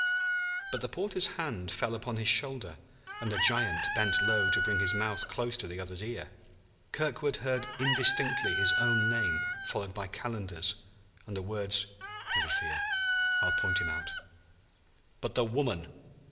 But the porter's hand fell upon his shoulder and the giant bent low to bring his mouth close to the other's ear. Kirkwood heard indistinctly his own name followed by Calendar's, and the words: "Never fear. I'll point him out." "But the woman?"